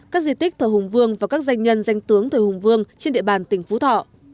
các di tích thờ hùng vương và các danh nhân danh tướng thờ hùng vương trên địa bàn tỉnh phú thọ